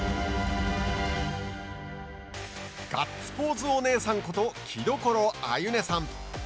ガッツポーズお姉さんこと城所あゆねさん。